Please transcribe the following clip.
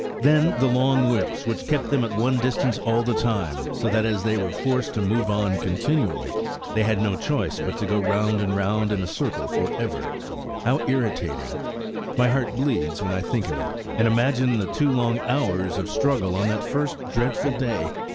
Then the long whips, which kept them at one distance all the time, so that, as they were forced to move on continually, they had no choice but to go round and round in a circle for ever–how irritating! My heart bleeds when I think of it, and imagine the two long hours of struggle on that first dreadful day.